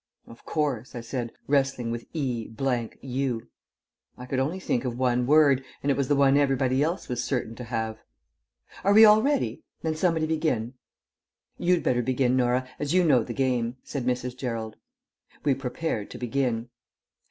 "Of course," I said, wrestling with 'E U.' I could only think of one word, and it was the one everybody else was certain to have. "Are we all ready? Then somebody begin." "You'd better begin, Norah, as you know the game," said Mrs. Gerald. We prepared to begin.